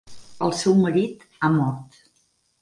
El seu marit ha mort.